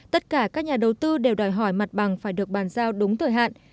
tất cả các nhà đầu tư đều đòi hỏi mặt bằng phải được bàn giao đúng thời hạn